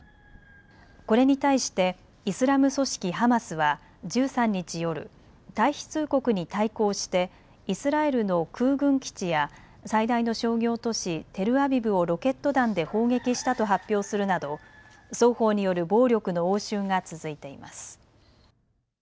これに対してイスラム組織ハマスは１３日夜、退避通告に対抗してイスラエルの空軍基地や最大の商業都市テルアビブをロケット弾で砲撃したと発表するなど双方による暴力の応酬が続いています。